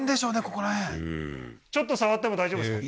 ここら辺ちょっと触っても大丈夫ですか？